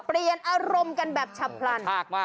เปลี่ยนอารมณ์กันแบบฉี่ปรรั่น